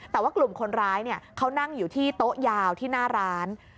แต่ว่ากลุ่มคนร้ายเขานั่งอยู่ที่โต๊ะยาวที่หน้าร้าน